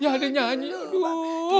ya ada nyanyi aduh